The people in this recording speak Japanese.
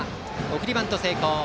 送りバント成功。